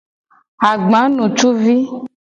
Agbanutuvi.